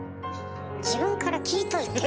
自分から聞いといて。